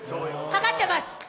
かかってます。